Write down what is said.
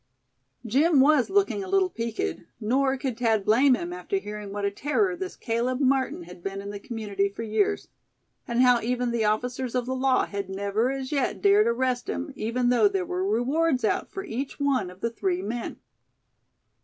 Jim was looking a little "peaked," nor could Thad blame him, after hearing what a terror this Caleb Martin had been in the community for years; and how even the officers of the law had never as yet dared arrest him, even though there were rewards out for each one of the three men.